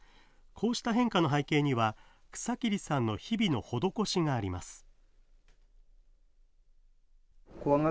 こうした変化の背景には、草切さんの日々の施しがあります。